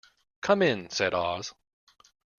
"Come in," said Oz.